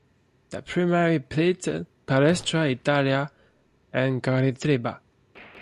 The primary pitted Palestra Italia and Coritiba.